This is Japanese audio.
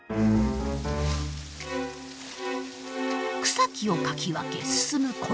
草木をかき分け進むこの人。